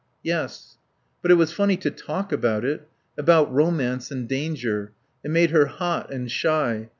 "Yes." But it was funny to talk about it. About romance and danger. It made her hot and shy.